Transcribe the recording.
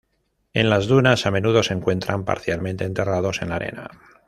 En las dunas a menudo se encuentran parcialmente enterrados en la arena.